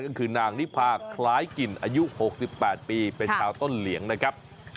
ก็คือนางนิพาคล้ายกินอายุ๖๘ปีเป็นชาวต้นเหลียงนะครับ